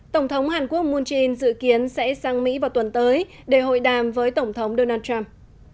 tổng thống hàn quốc moon jae in dự kiến sẽ sang mỹ vào tuần tới để hội đàm với tổng thống donald trump